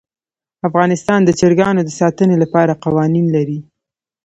افغانستان د چرګانو د ساتنې لپاره قوانین لري.